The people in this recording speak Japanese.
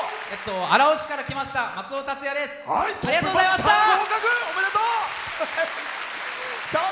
荒尾市から来ましたまつおです。